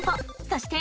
そして。